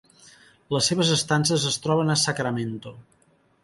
Les seves estances es troben a Sacramento.